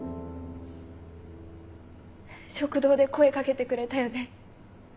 食堂で声かけてくれたよね。